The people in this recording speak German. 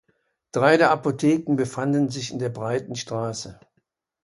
Drei der Apotheken befanden sich in der Breiten Straße.